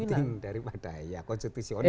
penting daripada ya konstitusional